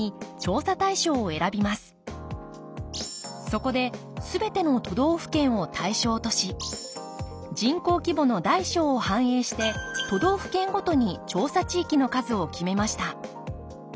そこで全ての都道府県を対象とし人口規模の大小を反映して都道府県ごとに調査地域の数を決めました。